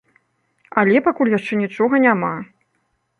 Але пакуль яшчэ нічога няма.